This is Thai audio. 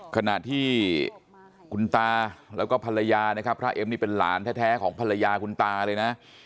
ขณะที่คุณตาแล้วก็ภรรยานะครับพระเอ็มนี่เป็นหลานแท้ของภรรยาคุณตาเลยนะ